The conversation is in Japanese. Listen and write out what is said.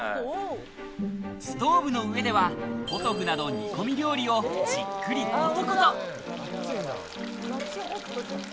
ストーブの上ではポトフなど煮込み料理をじっくりコトコト。